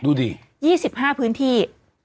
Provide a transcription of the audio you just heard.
ดูดิ๒๕พื้นที่